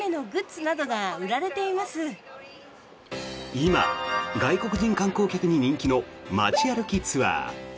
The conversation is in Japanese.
今、外国人観光客に人気の街歩きツアー。